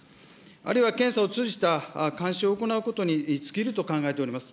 あるいは検査を通じた監視を行うことに尽きると考えております。